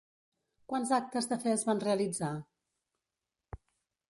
Quants actes de fe es van realitzar?